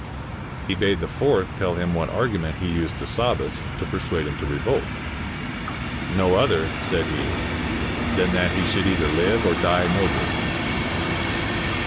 He bade the fourth tell him what argument he used 89 INDIA to Sabbas to persuade him to revolt. "Xo other," said he, "than that he should either Hve or die nobly."